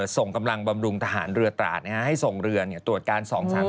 ส่งกำลังบำรุงทหารเรือตราดให้ส่งเรือตรวจการ๒๓๓